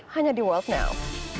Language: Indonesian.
hanya di world now